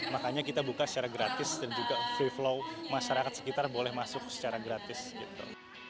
makanya kita buka secara gratis dan juga free flow masyarakat sekitar boleh masuk secara gratis gitu